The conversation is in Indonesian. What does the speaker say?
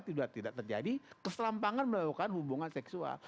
tidak terjadi keserampangan melakukan hubungan seksual